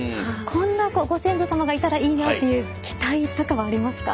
こんなご先祖様がいたらいいなという期待とかはありますか。